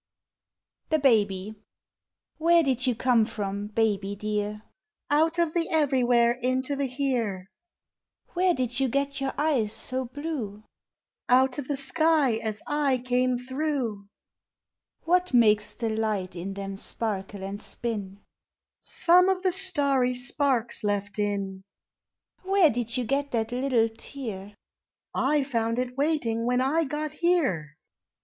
THE BABY. Where did you come from, baby dear? Out of the everywhere into the here. Where did you get your eyes so blue? Out of the sky as I came through. Wfhat makes the light in them sparkle and spin? Some of the starry spikes left in. Where did you get that little tear? / found it waiting when I got here.